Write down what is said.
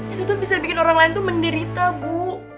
itu tuh bisa bikin orang lain tuh menderita bu